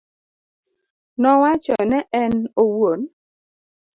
Nowacho ne en owuon.